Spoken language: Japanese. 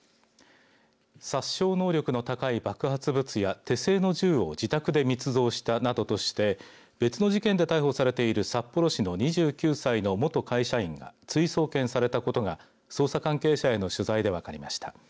殺傷能力の高い爆発物や手製の銃を自宅で密造したなどとして別の事件で逮捕されている札幌市の２９歳の元会社員が追送検されたことが捜査関係者への取材で分かりました。